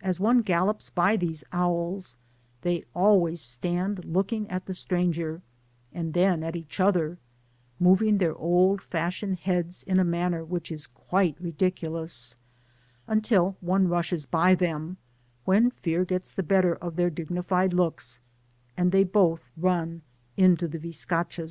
As one gallops by these owls, they always stand looking at the stranger, and then at each other, moving their old fashioned heads in a manner which is quite ridiculous, until one rushes by them, when fear gets the better of their digni fied looks, and they both run into the biscac